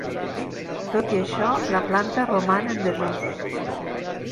Tot i això, la planta roman en desús.